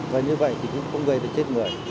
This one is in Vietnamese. và như vậy thì cũng không gây được chết người